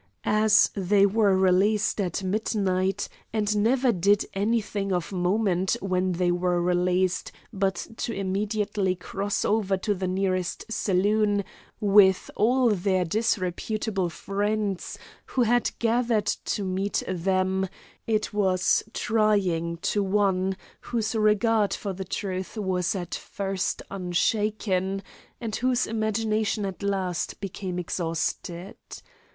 As they were released at midnight, and never did anything of moment when they were released but to immediately cross over to the nearest saloon with all their disreputable friends who had gathered to meet them, it was trying to one whose regard for the truth was at first unshaken, and whose imagination at the last became exhausted.